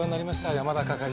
山田係長。